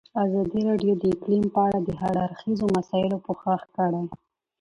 ازادي راډیو د اقلیم په اړه د هر اړخیزو مسایلو پوښښ کړی.